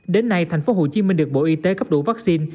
đến nay thành phố hồ chí minh được bộ y tế cấp đủ vaccine